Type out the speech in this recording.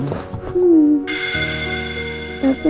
loh rupanya ya